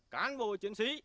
cán bộ chiến sĩ